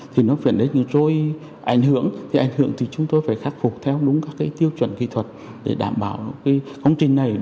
thì nó phải đến rồi ảnh hưởng thì chúng tôi phải khắc phục theo đúng các tiêu chuẩn kỹ thuật để đảm bảo công trình này